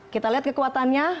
kita lihat kekuatannya